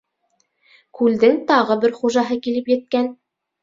Күлдең тағы бер хужаһы килеп еткән.